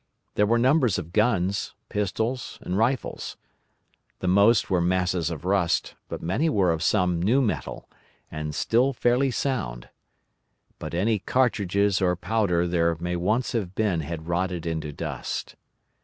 There were numbers of guns, pistols, and rifles. The most were masses of rust, but many were of some new metal, and still fairly sound. But any cartridges or powder there may once have been had rotted into dust.